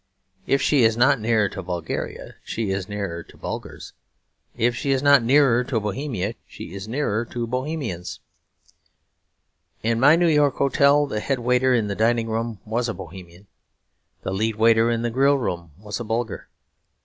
If she is not nearer to Bulgaria, she is nearer to Bulgars; if she is not nearer to Bohemia, she is nearer to Bohemians. In my New York hotel the head waiter in the dining room was a Bohemian; the head waiter in the grill room was a Bulgar.